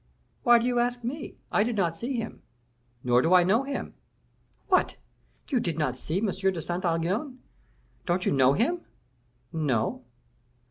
"Why do you ask me? I did not see him, nor do I know him." "What! you did not see M. de Saint Aignan? Don't you know him?" "No."